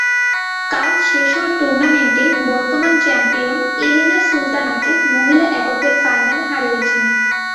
কাল শেষ হওয়া টুর্নামেন্টে বর্তমান চ্যাম্পিয়ন এলিনা সুলতানাকে মহিলা এককের ফাইনালে হারিয়েছেন।